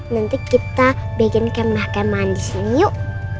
nanti kita bikin kem kem mandi sini yuk